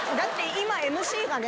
今ＭＣがね